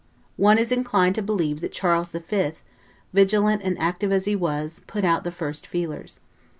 One is inclined to believe that Charles V., vigilant and active as he was, put out the first feelers.